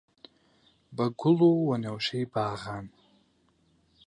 بە گوڵ و وەنەوشەی باغان